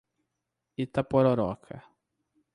Itapororoca